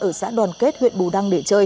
ở xã đoàn kết huyện bù đăng